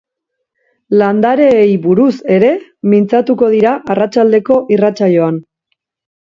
Landareei buruz ere mintzatuko dira arratsaldeko irratsaioan.